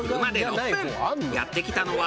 やって来たのは。